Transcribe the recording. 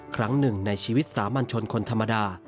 ครั้งหนึ่งในชีวิตสามัญชนคนธรรมดา